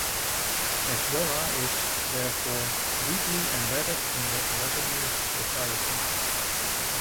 Hezbollah is, therefore, deeply embedded in the Lebanese society.